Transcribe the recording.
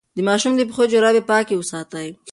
د ماشوم د پښو جرابې پاکې وساتئ.